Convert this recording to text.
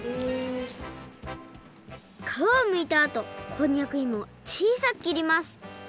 かわをむいたあとこんにゃくいもをちいさくきります